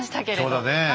そうだねえ。